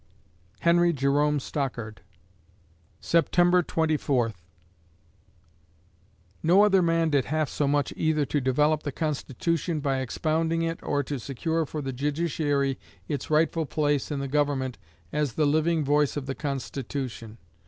HENRY JEROME STOCKARD September Twenty Fourth No other man did half so much either to develop the Constitution by expounding it, or to secure for the judiciary its rightful place in the Government as the living voice of the Constitution....